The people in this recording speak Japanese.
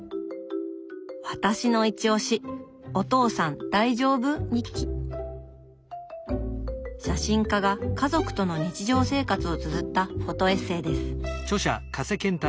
私のいちおし写真家が家族との日常生活をつづったフォトエッセーです。